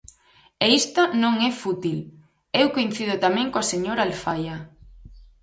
E isto non é fútil, eu coincido tamén coa señora Alfaia.